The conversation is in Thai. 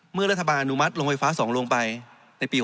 เมื่อรัฐบาลอนุมัติลงไฟฟ้า๒ลงไปในปี๒๕